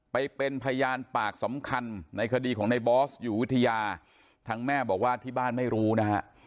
ไปเป็นพยานปากสำคัญในคดีของในบอสอยู่วิทยาทางแม่บอกว่าที่บ้านไม่รู้นะฮะ